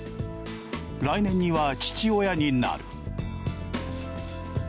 来年には父親になる。